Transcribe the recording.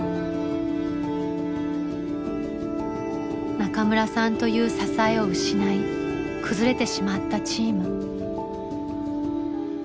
中村さんという支えを失い崩れてしまったチーム。